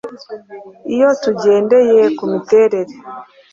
Iyo tugendeye ku miterere,